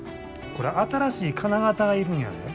これ新しい金型が要るんやで。